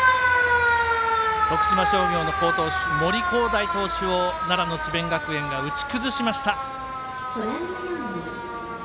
徳島商業の好投手森煌誠投手を奈良の智弁学園が打ち崩しました。